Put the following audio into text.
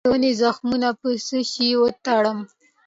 د ونو زخمونه په څه شي وتړم؟